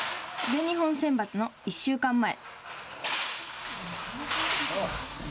全日本選抜の１週間前。